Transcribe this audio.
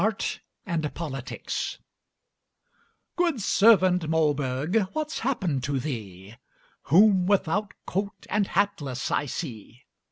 ART AND POLITICS "Good servant Mollberg, what's happened to thee, Whom without coat and hatless I see?